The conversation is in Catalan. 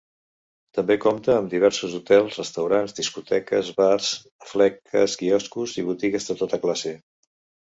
També compta amb diversos hotels, restaurants, discoteques, bars, fleques, quioscos i botigues de tota classe.